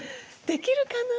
できるかな。